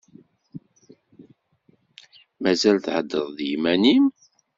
Mazal theddreḍ d yiman-im?